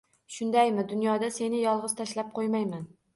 Shundaymi? Dunyoda seni yolg'iz tashlab ko'ymayman.